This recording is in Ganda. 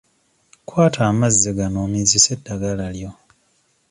Kwata amazzi gano omizise eddagala lyo.